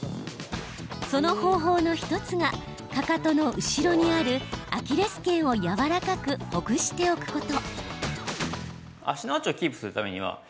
その方法の１つがかかとの後ろにあるアキレスけんをやわらかくほぐしておくこと。